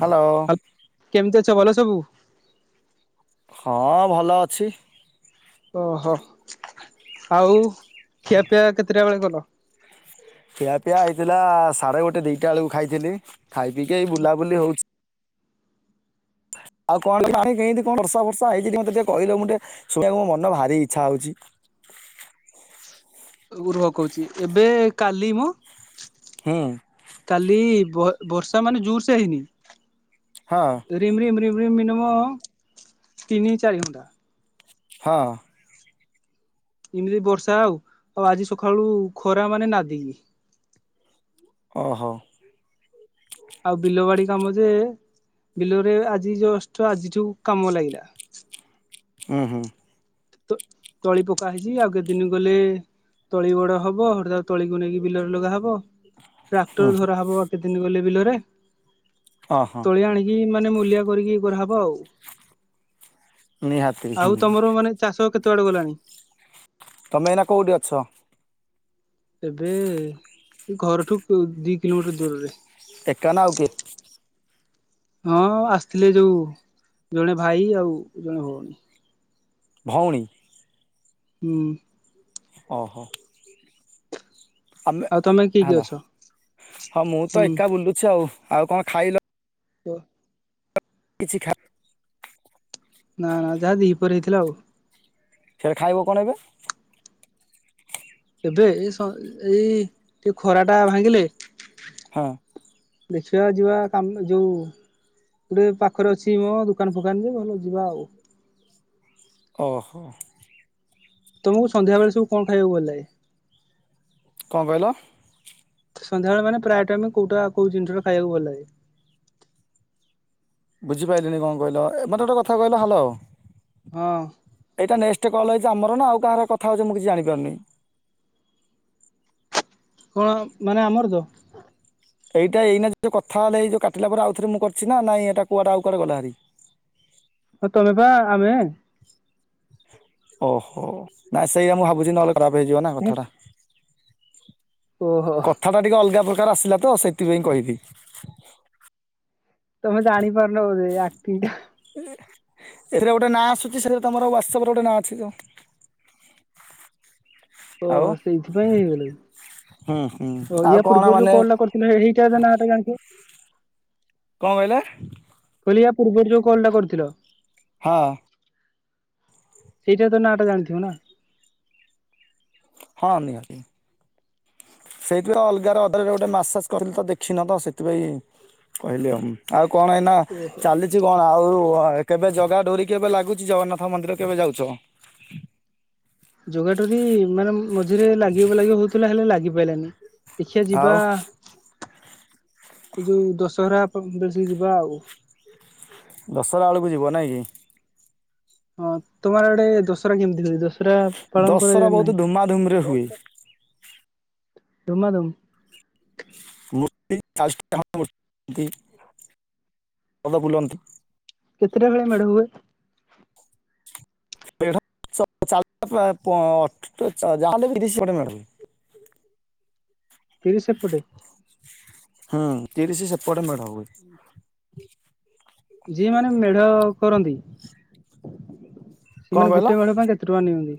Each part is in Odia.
ହ୍ୟାଲୋ। ଆ କେମିତି ଅଛ ଭଲ ସବୁ? ହଁ ଭଲ ଅଛି। ଓହୋ, ଆଉ ଖିଆପିଆ କେତିଟା ବେଳେ କଲ? ଖିଆପିଆ ହେଇଥିଲା ସାଢେ ଗୋଟେ ଦିଟା ବେଳକୁ ଖାଇଥିଲି, ଖାଇ ପିଇକି ଏଇ ବୁଲାବୁଲି ହଉଛି। ଆଉ କଣ ପାଣି କେମିତି କଣ ବର୍ଷା ଫାର୍ଷା ହେଇଚି ଟିକେ ମତେ ଟିକେ କହିଲ ମୁଁ ଟିକେ ଶୁଣିବାକୁ ମନ ଭାର ଇଚ୍ଛା ହଉଛି। ଉର୍ହ କହୁଛି ଏବେ କାଲି ମ ହୁଁ। କାଲି ବ ବର୍ଷା ମାନେ ଜୁରସେ ହେଇନି। ହଁ। ରିମ ରିମ ରିମ ରିମ ମିିନିମମ୍ ତିନି ଚାରି ଘଣ୍ଟା। ହଁ। ଏମିତି ବର୍ଷା ଆଉ, ଆଉ ଆଜି ସକାଳୁ ଖରା ମାନେ ନାଦିକି। ଓହୋ। ଆଉ ବିଲ ବାଡି କାମ ଯେ, ବିଲରେ ଆଜି ଜଷ୍ଟ ଆଜିଠୁ କାମ ଲାଗିଲା। ହଁ ହଁ। ତ ତଳି ପକା ହେଇଛି ଆଉ କେ ଦିନ ଗଲେ ତଳି ବଡ ହବ, ହେଠୁ ତାକୁ ତଳିକୁ ନେଇକି ବିଲରେ ଲଗା ହବ। ହୁଁ ଟ୍ରାକ୍ଟର ଧରାହବ କେ ଦିନ ଗଲେ ବିଲରେ। ହଁ ହଁ। ସେ ଆଣିକି ମାନେ ମୂଲିଆ କରିକି କରାହବ ଆଉ, ନିହାତି ଆଉ ହୁଁ ତମର ମାନେ ଚାଷ କେତେ ବାଟ ଗଲାଣି? ତମେ ଏଇନା କଉଠି ଅଛ? ଏବେ ଘରଠୁ ଦି କିଲୋମିଟର ଦୂରରେ ଏକ ନା ଆଉ କିଏ? ହଁ ଆସିଥିଲେ ଯୋଉ ଜଣେ ଭାଇ ଆଉ ଜଣେ ଭଉଣୀ। ଭଉଣୀ। [inaudible] ଓହୋ। ଆମେ ଆଉ ତମେ କିଏ କିଏ ହଲ ଅଛ? ହଁ ମୁଁ ତ ହୁଁ ଏକା ବୁଲୁଛି ଆଉ ଆଉ କଣ ଖାଇଲ। [inaudible] କିଛି ଖା ନା ନା ଯାହା ଦିପରେ ହେଇଥିଲା ଆଉ। ଫେରେ ଖାଇବ କଣ ଏବେ? ଏବେ ଏ ଏଇ ଟିକେ ଖରା ଟା ଭାଙ୍ଗିଲେ ହଁ। ଦେଖିବା ଯିବା କାମ ଯୋଉ ଗୋଟେ ପାଖରେ ଅଛି ମୋ ଦୋକାନ ଫୋକାନ ଯେ ଭଲ ଯିବା ଆଉ। ଓହୋ। ତମକୁ ସନ୍ଧ୍ୟା ବଳେ ସୁବୁ କଣ ଖାଇବାକୁ ଭଲ ଲାଗେ? କଣ କହିଲ? ସନ୍ବେଳେ ମାନେ ପ୍ରାୟ ଟ ଆମେ କୋଉଟା କୋଉ ଜିନିଷା ଖାଇକୁ ଭଲ ଲାଗେ ବୁଝିପାରିଲିନି କଣ କିଲ ଏ ମତେ ଗୋଟେ କହିଲ ହ୍ୟାଲୋ ହଁ। ଏଇଟା ନେକ୍ଟ କଲ୍ଛି ଆର ନା ଆଉ କାହାର କଥାଉଛି ମୁଁ କିଛି ଜଣିପାରୁନି। କଣ ମାନେ ଆମର ତ। ଏଇଟା ଏଇନା ଯେଉ କଥା ହେଇ ଯେଉଁାିଲା ପରେ ଆଉରେ ମୁଁ କରିଛି ନାଁ ଏଇଟା କୁଆଟା ଆଉୁକୁଆଡେ ଗଲାରି। ହଁ ତମେ ବା ଆମେ ଓହୋ ନାଇ ସେଇ ମୁଁ ଭାବୁଛି ନହେଲେ ଖରାପ ହେଇଯିବ ନା କଥାଟା। ଓହୋ। କଥାଟା ଟିକେ ଅଲଗା ପ୍ରକାର ଆସିଲା ତ ସେଥିପାଇ କହିଲି। ତମେ ଜାଣି ପାରୁନ ବଉଧ ଆଗତି ଏଥିରେ ଗୋଟେ ନାଁ ଆସୁଛି ସେଥିରେ ତମର ହ୍ୱାଟସଆପ ରେ ଗୋଟେ ନାଁ ଅଛି ତ। [inaudible] ଆଉ ଓହୋ ସେଇଥିପାଇଁ ହେଇଗଲା ହୁଁ ହୁଁ ଓ ଆଉ ୟା କଣ ପୂର୍ବରୁ ଯୋଉ ମାନେ କଲ୍ ଟା କର [unintelligible] କଣ କହିଲା? କହିଲିୟା ପୂର୍ବରୁ ଯୋଉ କଲ୍ଟା କରିଥିଲ। ହଁ। ଏଇଟା ତ ନାଁଟା ଜାଣିଥିବ ନା। ହଁ ନିହାନ୍ତିି। ସେଇଥିପାଇଁ ଅଲଗା ଅଦରେ ଗୋଟେ ମାଛାସ କରିଥିଲି ତ ଦେଖିନ ତ ସେଥିପାଇଁ କହିଲି ଆଉ ଆଉ କଣ ନା ଓହୋ ଚାଲିଛି କଣ ଆଉ କେବେ ଜଗା ଡୋରି କେବେ ଲାଗୁଛି ଜଗନ୍ନାଥ ମନ୍ଦିର କେବେ ଯାଉଛ? ଯୋଗାଟରି ମାନେ ମଝିରେ ଲାଗିବ ଲାଗି ହଉଥିଲା ହେଲେ ଲାଗିପଲାନି। ଦେଖିବା ଆଉ ଯିବା ଏ ଯୋଉ ଦଶହରା ବଳସିକି ଯିବା ଆଉ। ଦଶହରା ବେଳକୁ ଯିବ ନାଇଁ କି? ହଁ ତୁମର ଆଡେ ଦସରା କେମିତି ହଛି ଦଶହରା? ପାଳନ ଦଶହରା କରାଯାଏ ବହୁତ ଧୁମାଧୁମ ରେ ହୁଏ। ନାହିଁ। ଜମା [inaudible] ତମ [inaudible] ବୁଲନ୍ତି କେତେଟାବେଳେ ମେଢ ହୁଏ? [inaudible] ଯାହା ହେଲେ ବି ତିରିଶ ଚାଳିଶ ମେଢ ହୁଏ। ତିରିଶ ଏପଟେ? ହୁଁ ତିରିଶ ସେପଟେ ମେଢ ହୁଏ। ଯିଏ ମାନେ ମେଢ କରନ୍ତି? କଣ ସେମାନେ କହିଲ ଗୋଟେ ମେଢ ପାଇଁ କେତେ ଟଙ୍କା ନିଅନ୍ତି?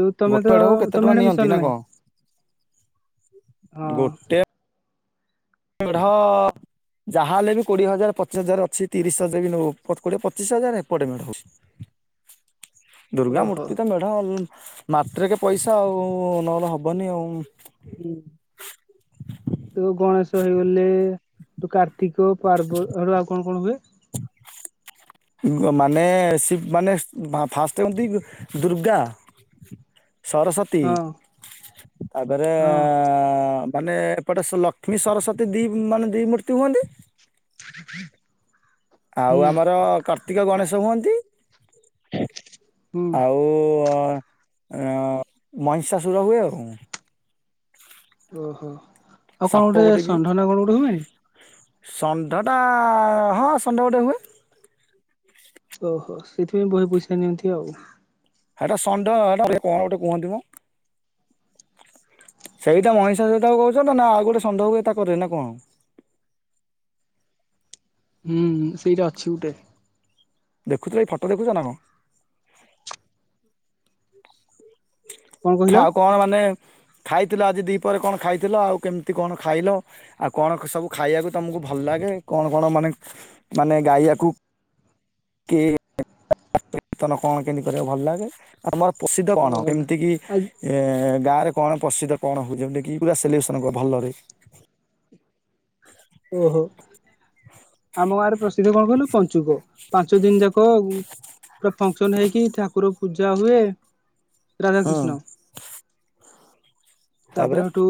ଯୋଉ ତମେ ଗୋଟେ ତ ମେଢକୁ କେତେ ଟଙ୍କା ତମେ ସେପଟେ ନିଅନ୍ତି ନା ମିଶନ କଣ? ନାହିଁ? ହଁ ଗୋଟେ ମେଢ ଯାହାହଲେ ବି କୋଡିଏ ହଜାର ପଚିଶ ହଜାର ଅଛି ତିରିଶ ହଜାର ବି ନ କୋଡିଏ ପଚିଶ ହଜାର ଏପଟେ ହଉଚି। [unintelligible] ଦୁର୍ଗା ଓହୋ। ମୂର୍ତ୍ତି ତ ମେଢ ମାତ୍ରକ ପଇସା ଆଉ ନହେଲେ ହବନି ଆଉ। ହୁଁ। ତୁ ଗଣେଶ ହେଇଗଲେ ତୁ କାର୍ତି ତିିକ ପାର୍ବ ଆଉ କଣ କଣ ହୁଏ? ମାନେ ମାନେ ଫାଷ୍ଟ ହୁଅନ୍ତି ଦୁର୍ଗା। ସରସ୍ଵତୀ ହଁ ତାପରେ ହଁ ମାନେ ଏପଟେ ଲକ୍ଷ୍ମୀ ସରସ୍ୱତୀ ଦୁଇ ମାନେ ଦୁଇ ମୂର୍ତ୍ତି ହୁଅନ୍ତି। [unintelligible] ଆଉ ଆମର କାର୍ତ୍ତିକ, ଗଣେଶ ହୁଅନ୍ତି। ହୁଁ ଆଉ ଆଉ ମଇଁଷା ସୁର ହୁଏ ଆଉ। ଓହୋ। ଆଉ କଣ ସାପ ଗୋଟେ ବି। ଷଣ୍ଢ ନା କଣ ଗୋଟେ ହୁଏନି? ଷଣ୍ଢାଟା ହଁ ଷଣ୍ଢା ଗୋଟେ ହୁଏ। ଓହୋ, ସେଥିପାଇଁ ବୋହେ ପଇସା ନିଅନ୍ତି ଆଉ। ହେଇଟା ଷଣ୍ଢ ସଟା କଣ ଗୋଟେ କୁହନ୍ତି? ମୁଁ ସେଇ ତ ମଣିଷ ସହିକୁ କହୁଛନ୍ତି। ନା ଆଉ ଗୋଟେ [unintelligible] ତା କରରେ ନା କଣ? ହୁଁ, ସେଇଟା ଅଛି ଗୋଟେ। ଦେଖୁଥିଲ ଏ ଫାଟ ଦେଖୁଛ ନା କଣ? କଣ କହିଲ ଆଉ କଣ ମାନେ ଖାଇଥିଲ? ଆଜି ଦି ପରେ କଣ ଖାଇଥିଲ ଆଉ କେମିତି କଣ ଖାଇଲ? ଆଉ କଣ ସବୁ ଖାଇବାକୁ ତମକୁ ଭଲ ଲାଗେ? କଣ କଣ ମାନେ ମାନେ ଗାଇବାକୁ କି କୀର୍ତ୍ତନ କଣ କେମତି କରିବା ଭଲ ଲାଗେ? ଆମର ପ୍ରସିଦ୍ଧ କଣ ଓହୋ କେମିତି କି ଆଜି ଏ ଗାଁରେ କଣ ପ୍ରସିଦ୍ଧ କଣ ହଉଛି? କି ପୁରା ସେଲିବ୍ରେସନ କର ଭଲରେ। ଓହୋ। ଆମ ଗାଁରେ ପ୍ରସିଦ୍ଧ କଣ କହିଲ? ପଞ୍ଚୁକ ପାଞ୍ଚ ଦିନ ଯାକ ପୁରା ଫଙ୍କସନ ହେଇକି ଠାକୁର ପୂଜା ହୁଏ। ରାଧା ହୁଁ କୃଷ୍ଣ। ତାପରେ ସେଠୁ।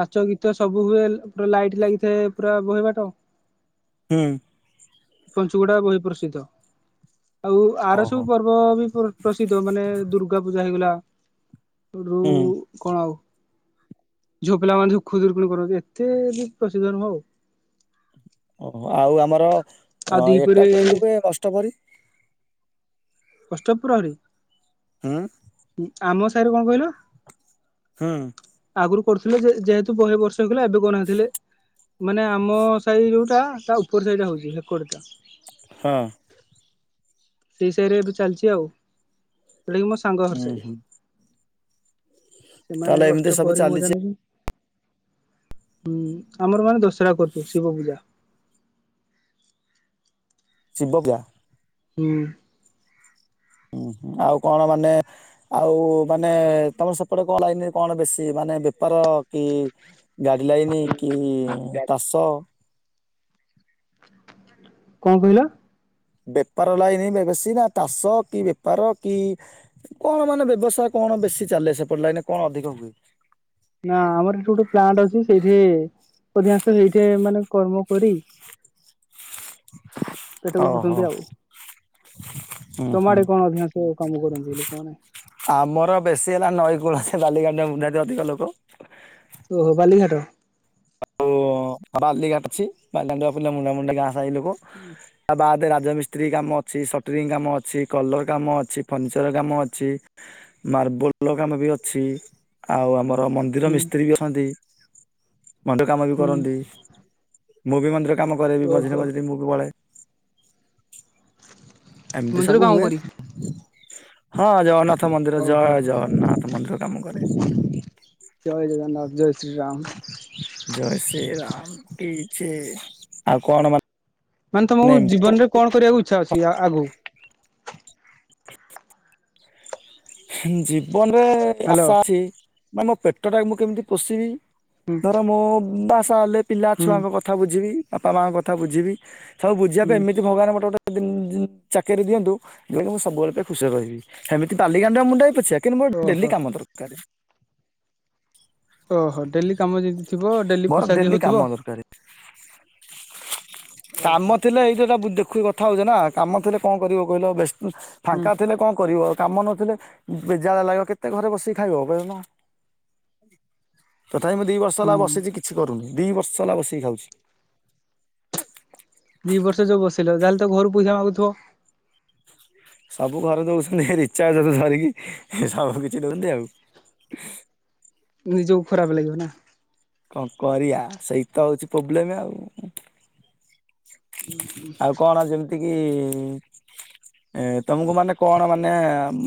ନାଚ, ଗୀତ ସବୁ ହୁଏ। ପ ପୁରା ଲାଇଟ ଲାଗି ସେ ପୁରା ବହେ ବାଟ ହୁଁ। ପଞ୍ଚୁକ ଟା ବହି ପ୍ରସିଦ୍ଧ। ଆଉ ଆର ଓହୋ ସବୁ ପର୍ବ ପର୍ବ ବି ପ୍ରସିଦ୍ଧ ମାନେ ଦୁର୍ଗା ପୂଜା ହେଇଗଲା। ସେଉଟୁ ହୁଁ। କଣ ଆଉ ଝୁଅ ପିଲାମାନେ ସବୁ ଖୁଦୁରୁକୁଣୀ କରନ୍ତି। ଏତେ ବି [inaudible] ହଉ। ଓହୋ। ଆଉ ଆମର ଆଉ ଏଟା ଦିପହରେ କିନ୍ତୁ କୁଏ ନଷ୍ଟ ପରି। ଅଷ୍ଟପ୍ରହରୀ। ହଁ ଆମ ସାହିରେ କଣ କହିଲ ହଁ ଆଗରୁ କରୁଥିଲେ। ଯେହେତୁ ବହେ ବର୍ଷ ହେଇଥିଲା ଏବେ କଣ କରୁଥିଲେ। ମାନେ ଆମ ସାହି ଯୋଉଟା ତା ଉପର ସାହି ହଉଛି ହେକଡ ଟା ହଁ ସେଇସାହି ରେ ଏବେ ଚାଲିଛି ଆଉ [inaudible] ସେଉଟା କିି ମୋ ସାଙ୍ଗ ଘର ଉଁ ସାହି ହୁଁ ସେମାନେ ତାହେଲେ ଏମିତି କଷ୍ଟ ସବୁ ପରି ମଜା ଚାଲିଛି ନଉଛନ [inaudible] ହୁଁ, ଆମର ମାନେ ଦଶହରା କରୁଛୁ ଶିବ ପୂଜା। ଶିବ ପୂଜା। ହୁଁ ହୁଁ, ଆଉ କଣ ମାନେ ଆଉ ମାନେ ତମର ସେପଟେ କଣ ଲାଇନରେ କଣ ବେଶୀ ମାନେ ବେପାର କି ଗାଡି ଲାଇନି କି ଚାଷ କଣ କହିଲ? ବେପାର ଲାଗନି ବେଶୀ ନା ଚାଷ କି ବେପାର କି? କଣ ମାନେ ବ୍ୟବସାୟ କଣ ବେଶୀ ଚାଲେ ସେପଟେ ଲାଗେ କଣ ଅଧିକ ହୁଏ? ନା ଆମର ଏଠି ଗୋଟେ ପ୍ଲାଣ୍ଟ ଅଛି ସେଇଠି ଅଧିକାଂଶ ସେଇଠି ମାନେ କର୍ମ କରି [inaudible] ପେଟକୁ ଓହୋ ପୋଷନ୍ତି ଆଉ [inaudible] ହୁଁ ହୁଁ ତମଆଡେ କଣ ଅଧିକାଂଶ କାମ କରନ୍ତି ଲୋକମାନେ? ଆମର ବେଶୀ ହେଲା ନଈ କୂଳରେ ମୁଣ୍ଡାନ୍ତି ଅଧିକ ଲୋକ। ଓହୋ ବାଲିଘାଟ। ଆଉ ବାଲିଘାଟ ଅଛି [unintelligible] ମୁଣ୍ଡାମୁଣ୍ଡି ଗାଁ ସାଇ ଲୋକ ହୁଁ ତା ବାଦେ ରାଜମିସ୍ତ୍ରୀ କାମ ଅଛି, ସଟରିଂ କାମ ଅଛି, କଲର୍ କାମ ଅଛି, ଫର୍ଣ୍ନିଚର କାମ ଅଛି ମାର୍ବଲ କାମ ବି ଅଛି ଆଉ ଆମର ମନ୍ଦିର ହୁଁ ମିସ୍ତ୍ରୀ ବି ଅଛନ୍ତି। ମନ୍ଦିର କାମ ବି ହୁଁ କରନ୍ତି [inaudible] ମୁଁ ବି ମନ୍ଦିର କାମ କରେନି ମଝିରେ ଓହୋ ମଝିରେ ମୁଁ ଏମିତି ମନ୍ଦିର ସବୁ କାମ ହୁଏ। କରି ହଁ ଜଗନ୍ନାଥ ମନ୍ଦିର ଓହୋ ଜୟ ଜଗନ୍ନାଥ ମନ୍ଦିର କାମ କରେ। ଜୟ ଜଗନ୍ନାଥ, ଜୟ ଶ୍ରୀରାମ। ଜୟ ଶ୍ରୀ ରାମ କି ଜୟ, ଆଉ କଣ ମାନେ ମାନେ ତମକୁ ଏମିତି ଜୀବନରେ କଣ କରିବାକୁ ଇଚ୍ଛା ଅଛି ଆଗକୁ? [inaudible] ଜୀବନରେ ହ୍ୟାଲୋ ଆଶା ଅଛି ନା ମୋ ପେଟ ଟାକୁ ମୁଁ କେମିତି ପୋଷିବି, ହୁଁ ଧର ମୁଁ ବାସ ହେଲେ ପିଲା ହୁଁ ଛୁଆଙ୍କ କଥା କଥା ବୁଝିବି ବାପା ମାଙ୍କ କଥା ବୁଝିବି ସବୁ ବୁଝିବା ହୁଁ ପାଇଁ ଏମି ଭଗବାନ ଗୋଟେ ଗୋଟେ ଚାକିରି ଦିଅନ୍ତୁ, ମୁଁ ସବୁବେଳ କେ ଖୁସିରେ ରହିବି। ସେମିତି ବାଲିଗାଣ୍ଡୁଆ ମୁଣ୍ଡାଏ ପଛେ କିନ୍ତୁ ମୋର ଡେଲି ଓହୋ କାମ ଦରକାର। ଓହୋ ଡେଲି କାମ ଯଦି ଥିବ, ଡେଲି ମୋର ପୋଷାକି କାମ ହଉଥିବ। [inaudible] [inaudible] ଓହୋ କାମ ଥିଲେ ଏଇ ଯୋଉଟା ଦେଖୁି କଥା ହଉଛ ନା କାମ ଥିଲେ କଣ କରିବ କହିଲ ବ୍ୟସ୍ତ ହୁଁ ଫାଙ୍କା ଥିଲେ କଣ କରିବ କାମ ନଥିଲେ ବେଜାଳିଆ ଲାଗିବ, କେତେ ଘରେ ବସିକି ଖାଇବ କହୁନ। ତଥାପି ମୁଁ ଦି ବର୍ଷ ହୁଁ ହେଲା ବସିଛି କିଛି କରୁନି, ଦି ବର୍ଷ ହେଲା ବସିକି ଖାଉଛି। ଦି ବର୍ଷ ଯୋଉ ବସି ରହିଲ ତାହେଲେ ତ ଘରୁ ପଇସା ମାଗୁଥିବ। ସବୁ ଘରେ ଦଉଛନ୍ତି ରିଚାର୍ଜକୁ ଛାଡିକି ସବୁ କିଛି ଦଉଛନ୍ତି ଆଉ। ନିଜକୁ ଖରାପ ଲାଗିବ ନା। କଣ କରିଆ ସେଇତ ହଉଛି ପ୍ରୋବ୍ଲେମ ଆଉ। [inaudible] ଆଉ କଣ ଯେମିତିକିି ଏ ତୁମକୁ ମାନେ କଣ ମାନେ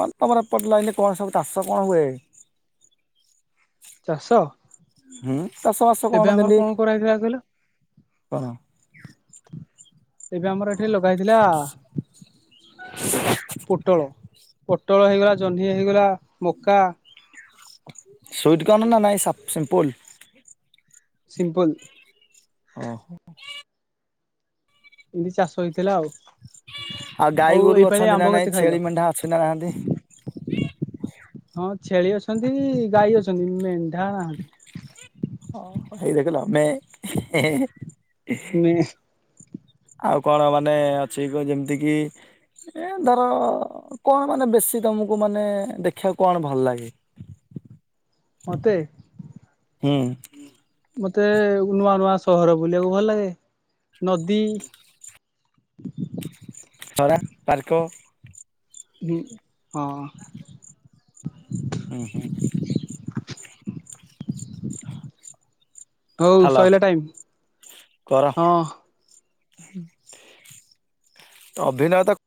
ମାନେ ତମର ଏପଟ ଲାଇନ କଣ ସବୁ ଚାଷ କଣ ହୁଏ? ଚାଷ? ହୁଁ ଚାଷ ବାସ ଏବେ କଣ ଆମର ଦେଲି କରାହେଇଥିଲା କହିଲ [inaudible] କଣ [inaudible] ଏବେ ଆମର ଏଠି ଲଗା ହେଇଥିଲା। [inaudible] ପୋଟଳ-ପୋଟଳ ହେଇଗଲା ଜହ୍ନି ହେଇଗଲା ମକା ସୁଇଟ୍ କଣ ନାଁ ନାଇ ସାଫ୍ ସିମ୍ପୁଲୁ? ସିମ୍ପୁଲୁ। ଅ ହଁ। [unintelligible] ଏମିତି ଚାଷ ହେଇଥିଲା ଆଉ। ଆଉ ଗାଈ ଗୋରୁ ଏଇପାଳି ଅଛନ୍ତି ଆମ୍ବ ନା କେତେ ନାଇଁ ଖାଇଲ ଛେଳି ମେଣ୍ଢା ଅଛି ନା ନାହାନ୍ତି। ହଁ ଛେଳି ଅଛନ୍ତି ଗାଈ ଅଛନ୍ତି ମେଣ୍ଢା ହଁ ଏଇ ଦେଖିଲ ମେ [unintelligible] [unintelligible] ଆଉ କଣ ମାନେ ଅଛି ଯେମିତି କି? ଏ ଧର କଣ ମାନେ ବେଶୀ ତମକୁ ମାନେ ଦେଖିବାକୁ କଣ ଭଲ ଲାଗେ? ମତେ ହୁଁ। ମତେ ନୂଆ-ନୂଆ ସହର ବୁଲିବାକୁ ଭଲ ଲାଗେ ନଦୀ [inaudible] ଖରା ପାର୍କ ହୁଁ ହଁ [inaudible] ହଁ ହୁଁ [inaudible] ହଉ ହ୍ୟାଲୋ ସଇଲା ଟାଇମ [inaudible] କର। ହଁ। [inaudible] ଅଭିନୟତା